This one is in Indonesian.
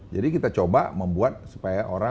jadi kita coba membuat supaya orang